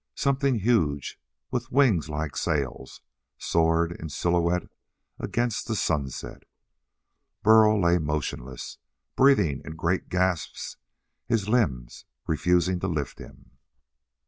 Something huge, with wings like sails, soared in silhouette against the sunset. Burl lay motionless, breathing in great gasps, his limbs refusing to lift him.